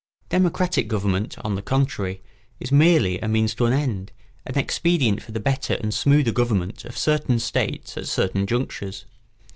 Democratic government, on the contrary, is merely a means to an end, an expedient for the better and smoother government of certain states at certain junctures.